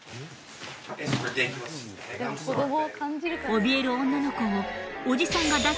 おびえる女の子をおじさんが抱き寄せた